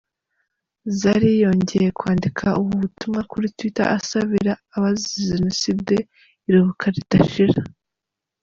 Zari yongeye kwandika ubu butumwa kuri Twitter asabira abazize Jenoside iruhuka ridashira.